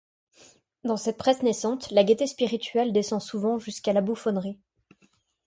Dans cette presse naissante, la gaieté spirituelle descend souvent jusqu'à la bouffonnerie.